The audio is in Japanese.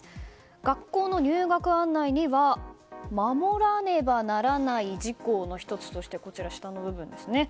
学校の入学案内には守らねばならない事項の１つとして下の部分に。